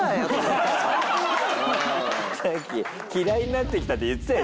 さっき「嫌いになってきた」って言ってたよ